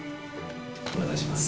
お願いします。